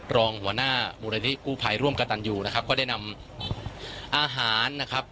รองหัวหน้ามูลนิธิกู้ภัยร่วมกับตันยูนะครับก็ได้นำอาหารนะครับ